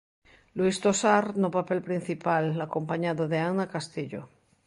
Luís Tosar, no papel principal acompañado de Anna Castillo.